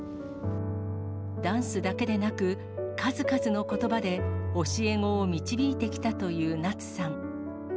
ダンスだけでなく、数々のことばで教え子を導いてきたという夏さん。